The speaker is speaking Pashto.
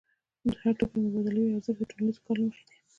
د هر توکي مبادلوي ارزښت د ټولنیز کار له مخې دی.